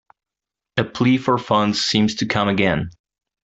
A plea for funds seems to come again.